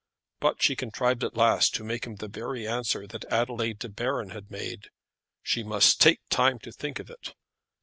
But she contrived at last to make him the very answer that Adelaide De Baron had made. She must take time to think of it.